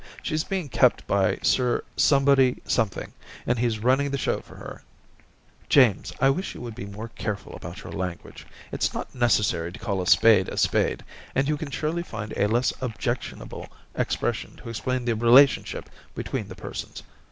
• She's being Daisy 255 kept by Sir Somebody Something, and he's running the show for her/ * James, I wish you would be more care ful about your language. It's not necessary to call a spade a spade, and you can surely find a less objectionable expression to explain the relationship between the per sons. ..